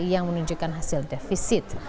yang menunjukkan hasil defisit